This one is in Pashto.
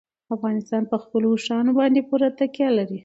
افغانستان په خپلو اوښانو باندې پوره تکیه لري.